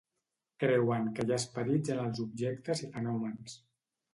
Creuen que hi ha esperits en els objectes i fenòmens.